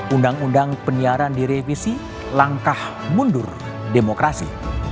undang undang penyiaran direvisi langkah mundur demokrasi